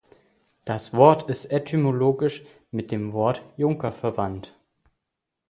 Das Wort ist etymologisch mit dem Wort Junker verwandt.